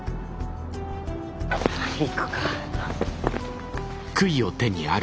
行くか。